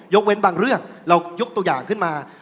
เว้นบางเรื่องเรายกตัวอย่างขึ้นมา